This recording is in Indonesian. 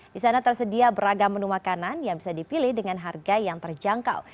di sana tersedia beragam menu makanan yang bisa dipilih dengan harga yang terjangkau